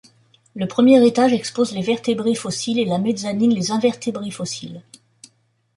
Le premier étage expose les vertébrés fossiles et la mezzanine les invertébrés fossiles.